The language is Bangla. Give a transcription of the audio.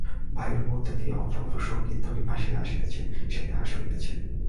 বায়ুর মধ্য দিয়া অপূর্ব সঙ্গীতধ্বনি ভাসিয়া আসিতেছে, সে তাহা শুনিতেছে।